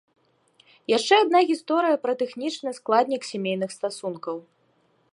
Яшчэ адна гісторыя пра тэхнічны складнік сямейных стасункаў.